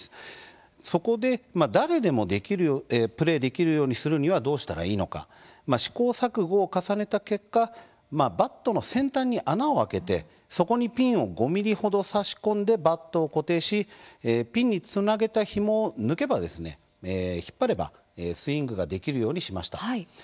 そこで誰でもプレーできるようにするにはどうしたらいいのか試行錯誤を重ねた結果バットの先端に穴を開けてそこにピンを５ｍｍほど差し込んでバットを固定しピンにつなげた、ひもを抜けばスイングができるようにしました。